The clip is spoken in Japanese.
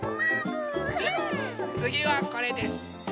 つぎはこれです。